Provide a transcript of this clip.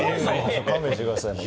勘弁してください。